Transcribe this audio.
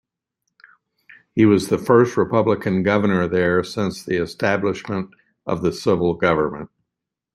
He was the first Republican governor there since the establishment of the civil government.